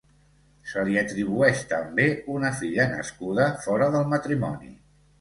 Se li atribueix també una filla nascuda fora del matrimoni.